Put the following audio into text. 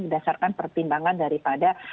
berdasarkan pertimbangan daripada